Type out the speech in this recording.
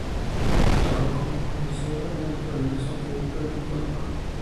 Trabajó como profesora en el Colegio de Santa Victoria en Córdoba.